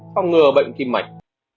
phong ngừa bệnh kim mạch